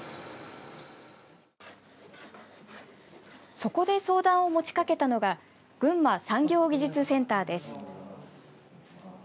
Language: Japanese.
そこで相談を持ちかけたのが群馬産業技術センターです。